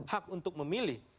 hak untuk memilih